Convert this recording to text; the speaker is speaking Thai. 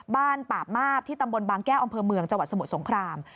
ป่ามาบที่ตำบลบางแก้วอำเภอเมืองจังหวัดสมุทรสงคราม